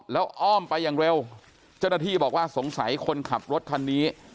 แล้วอ้อมไปอย่างเร็วเจ้าหน้าที่บอกว่าสงสัยคนขับรถคันนี้